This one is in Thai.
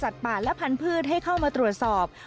สัตว์ป่าและพันธุ์พืชให้เข้ามาตรวจสอบ